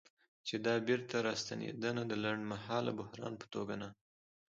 چې دا بیرته راستنېدنه د لنډمهاله بحران په توګه نه